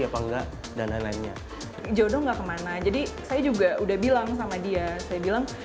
apa enggak dan lain lainnya jodoh enggak kemana jadi saya juga udah bilang sama dia saya bilang